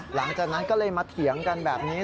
หลังจากนั้นก็เลยมาเถียงกันแบบนี้